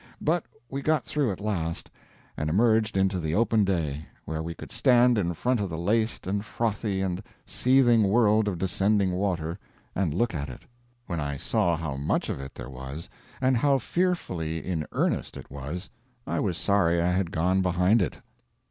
But we got through at last, and emerged into the open day, where we could stand in front of the laced and frothy and seething world of descending water, and look at it. When I saw how much of it there was, and how fearfully in earnest it was, I was sorry I had gone behind it.